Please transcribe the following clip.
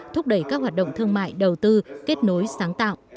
thúc đẩy các hoạt động thương mại đầu tư kết nối sáng tạo